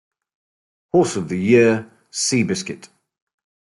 Horse of the Year Seabiscuit.